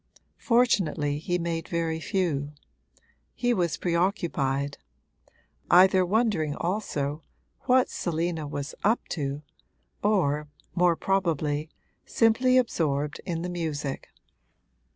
Fortunately he made very few; he was preoccupied either wondering also what Selina was 'up to' or, more probably, simply absorbed in the music.